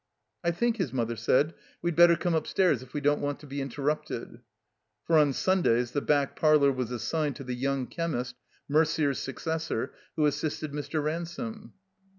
"I think," his mother said, "we'd better come upstairs if we don't want to be interrupted." For on Sundays the back parlor was assigned to the young chemist, Merder's successor, who assisted Mr. Ransome.